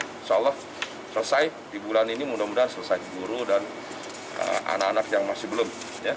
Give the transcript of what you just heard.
insya allah selesai di bulan ini mudah mudahan selesai guru dan anak anak yang masih belum